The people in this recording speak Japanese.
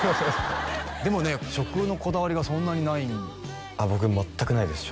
でもね食のこだわりがそんなにない僕全くないです